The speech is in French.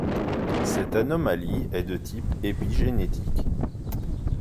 Cette anomalie est de type épigénétique.